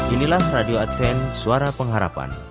inilah radio adven suara pengharapan